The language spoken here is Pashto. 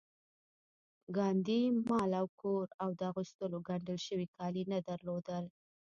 ګاندي مال او کور او د اغوستو ګنډل شوي کالي نه درلودل